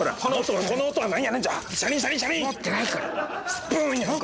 スプーンやんか！